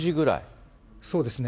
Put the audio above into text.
そうですね。